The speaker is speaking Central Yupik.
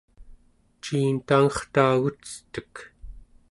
ciin tangertaagucetek?